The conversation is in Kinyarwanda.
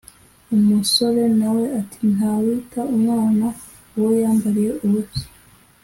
umusore na we ati ‘Nta wita umwana uwo yambariye ubusa